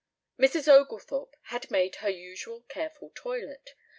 Mrs. Oglethorpe had made her usual careful toilet.